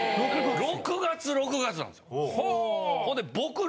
・６月６月なんですよ。ほんで。